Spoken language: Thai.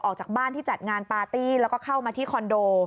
ออกจากบ้านที่จัดงานปาร์ตี้แล้วก็เข้ามาที่คอนโด